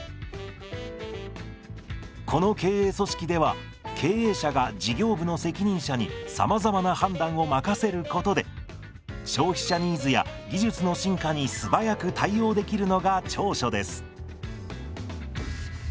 この経営組織では経営者が事業部の責任者にさまざまな判断を任せることで消費者ニーズや技術の進化に素早く対応できるのが長所です。